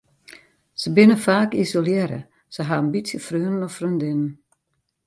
Se binne faak isolearre, se ha in bytsje freonen of freondinnen.